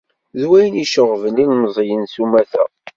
Dwayen iceɣben ilemẓiyen s umata.